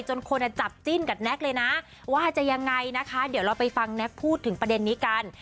คนจับจิ้นกับแน็กเลยนะว่าจะยังไงนะคะเดี๋ยวเราไปฟังแน็กพูดถึงประเด็นนี้กัน